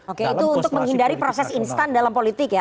oke itu untuk menghindari proses instan dalam politik ya